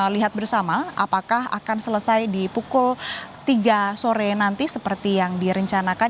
lihat bersama apakah akan selesai di pukul tiga sore nanti seperti yang direncanakan